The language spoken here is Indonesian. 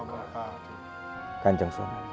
siapa khas kedatangan indonesia di sini